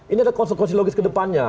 ini ada konsekuensi logis kedepannya